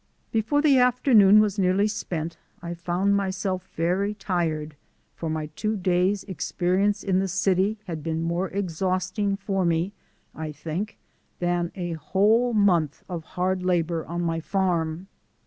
Before the afternoon was nearly spent I found myself very tired, for my two days' experience in the city had been more exhausting for me, I think, than a whole month of hard labour on my farm.